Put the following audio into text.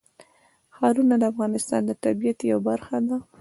ښارونه د افغانستان د طبیعت یوه برخه ده.